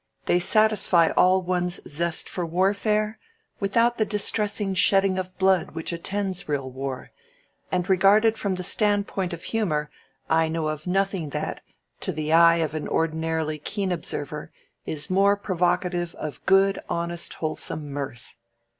They satisfy all one's zest for warfare without the distressing shedding of blood which attends real war, and regarded from the standpoint of humor, I know of nothing that, to the eye of an ordinarily keen observer, is more provocative of good, honest, wholesome mirth."